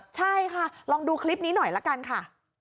ใช่ค่ะลองดูคลิปนี้หน่อยละกันค่ะ